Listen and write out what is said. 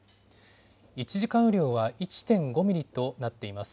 １時間雨量は１．５ミリとなっています。